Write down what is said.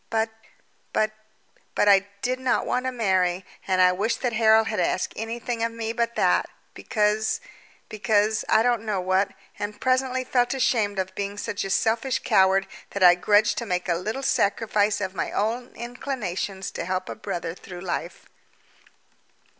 But, but, but, I did not want to marry, and I wished that Harold had asked anything of me but that, because because, I don't know what, and presently felt ashamed for being such a selfish coward that I grudged to make a little sacrifice of my own inclinations to help a brother through life.